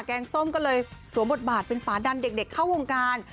งส้มก็เลยสวมบทบาทเป็นฝาดันเด็กเข้าวงการ